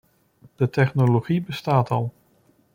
De technologie bestaat al.